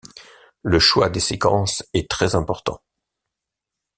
Le choix des séquences est très important.